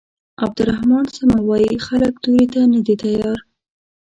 عبدالرحمن سمه وايي خلک تورې ته نه دي تيار.